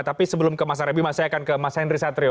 tapi sebelum ke mas arya bima saya akan ke mas henry satrio